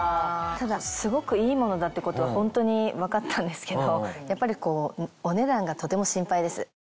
ただすごくいいものだってことはホントに分かったんですけどやっぱりお値段がとても心配です。